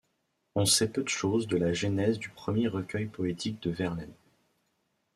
On sait peu de choses de la genèse du premier recueil poétique de Verlaine.